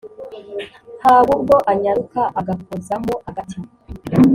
Haba ubwo anyaruka agakozamo agati